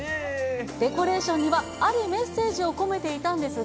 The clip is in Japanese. デコレーションにはあるメッセージを込めていたんですが。